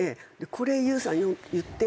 「これＹＯＵさん言って」って。